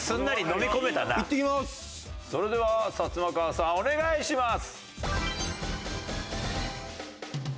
それではサツマカワさんお願いします！